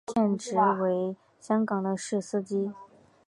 现职为香港的士司机。